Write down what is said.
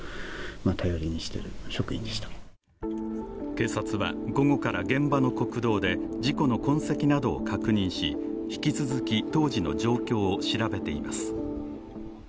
警察は午後から現場の国道で事故の痕跡などを確認し引き続き、当時の状況を調べています。